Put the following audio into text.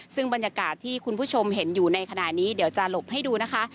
ซึ่งบรรยากาศที่คุณผู้ชมเห็นอยู่ในขณะนี้เดี๋ยวจะหลบให้ดูนะคะ